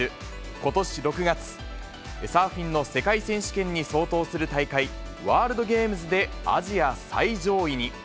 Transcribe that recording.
ことし６月、サーフィンの世界選手権に相当する大会、ワールドゲームズでアジア最上位に。